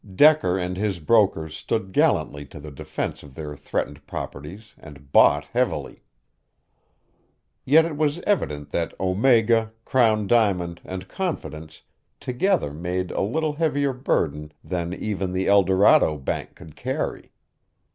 Decker and his brokers stood gallantly to the defense of their threatened properties and bought heavily. Yet it was evident that Omega, Crown Diamond and Confidence together made a little heavier burden than even the El Dorado Bank could carry.